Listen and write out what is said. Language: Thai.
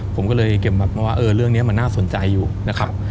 ผมก็เลยเก็บมาว่าเรื่องนี้มันน่าสนใจอยู่นะครับ